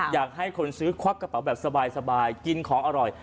อยากให้คนซื้อควักกระเป๋าแบบสบายกินของอร่อย